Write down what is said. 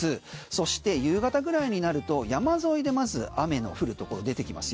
そして夕方ぐらいになると山沿いでまず雨の降るところでてきます。